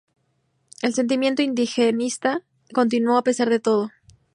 El sentimiento indigenista continuó a pesar de todo.